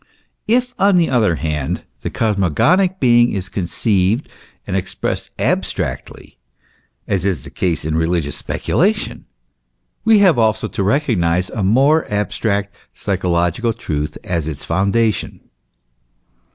If, on the other hand, the cosmogonic being is conceived and ex pressed abstractly, as is the case in religious speculation, we have also to recognise a more abstract psychological truth as its foundation.